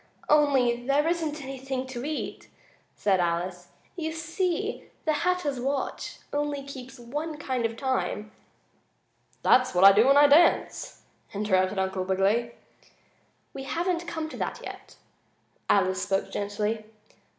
"Only there isn't anything to eat," said Alice. "You see, the Hatter's watch only keeps one kind of time " "That's what I do when I dance," interrupted Uncle Wiggily. "We haven't come to that yet," Alice spoke gently.